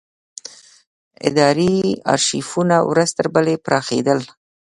اداري ارشیفونه ورځ تر بلې پراخېدل.